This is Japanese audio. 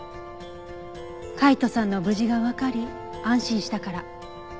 海斗さんの無事がわかり安心したから。